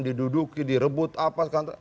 diduduki direbut apa